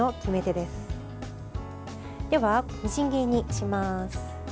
では、みじん切りにします。